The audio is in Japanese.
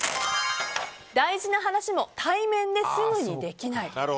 大事な話も対面ですぐにできない。